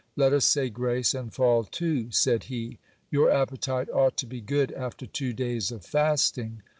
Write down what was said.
Let us say grace, and fall to, said he. Your appetite ought to be good after two days of fasting.